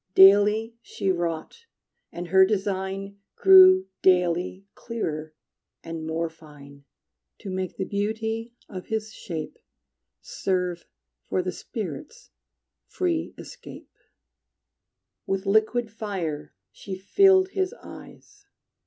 Daily she wrought, and her design Grew daily clearer and more fine, To make the beauty of his shape Serve for the spirit's free escape. With liquid fire she filled his eyes.